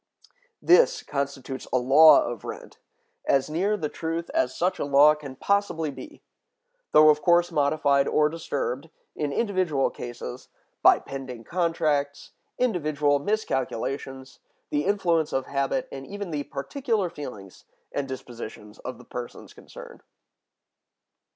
This constitutes a law of rent, as near the truth as such a law can possibly be; though of course modified or disturbed, in individual cases, by pending contracts, individual miscalculations, the influence of habit, and even the particular feelings and dispositions of the persons concerned.